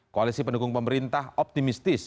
koalisi pendukung pemerintah optimistis